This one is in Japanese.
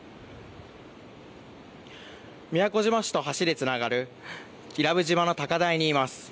宮古島市と橋でつながる伊良部島の高台にいます。